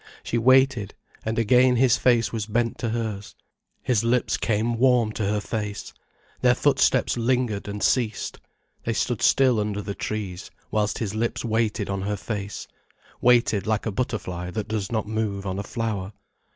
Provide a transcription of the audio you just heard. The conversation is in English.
She waited, and again his face was bent to hers, his lips came warm to her face, their footsteps lingered and ceased, they stood still under the trees, whilst his lips waited on her face, waited like a butterfly that does not move on a flower.